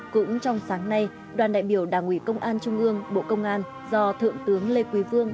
cũng trong sáng nay đoàn đại biểu đảng ủy công an trung ương bộ công an do thượng tướng lê quý vương